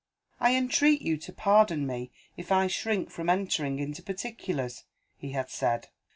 "I entreat you to pardon me, if I shrink from entering into particulars," he had said.